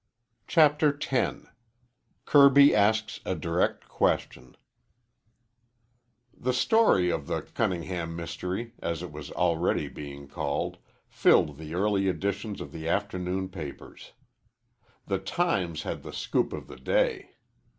CHAPTER X KIRBY ASKS A DIRECT QUESTION The story of the Cunningham mystery, as it was already being called, filled the early editions of the afternoon papers. The "Times" had the scoop of the day.